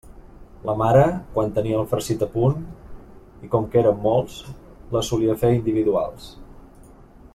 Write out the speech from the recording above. La mare, quan tenia el farcit a punt, i com que érem molts, les solia fer individuals.